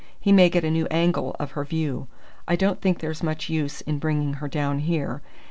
"He may get a new angle of her view. I don't think there's much use in bringing her down here.